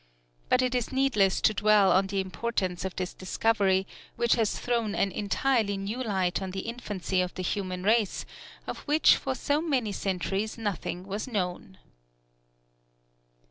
But it is needless to dwell on the importance of this discovery, which has thrown an entirely new light on the infancy of the human race, of which for so many centuries nothing was known.